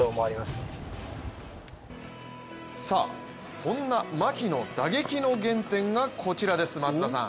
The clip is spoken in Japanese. そんな牧の打撃の原点がこちらです、松田さん。